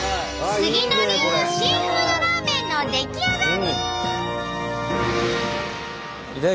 杉野流シーフードラーメンの出来上がり！